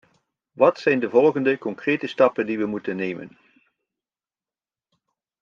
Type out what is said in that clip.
Wat zijn de volgende concrete stappen die we moeten nemen?